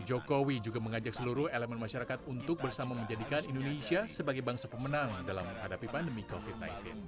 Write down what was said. jokowi juga mengajak seluruh elemen masyarakat untuk bersama menjadikan indonesia sebagai bangsa pemenang dalam menghadapi pandemi covid sembilan belas